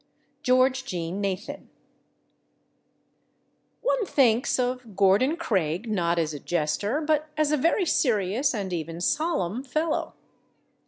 GEORGE JEAN NATHAN One thinks of Gordon Craig, not as a jester, but as a very serious and even solemn fellow.